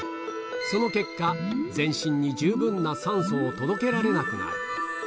その結果、全身に十分な酸素を届けられなくなる。